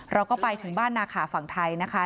เราก็ไปถึงบ้านนาขาฝั่งไทยนะคะ